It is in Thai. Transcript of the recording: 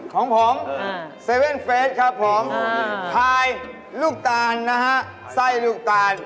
ของผมเซเว่นเฟสครับผมทายลูกตานนะฮะไส้ลูกตาน